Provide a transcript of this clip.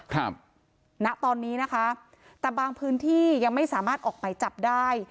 ครับณตอนนี้นะคะแต่บางพื้นที่ยังไม่สามารถออกหมายจับได้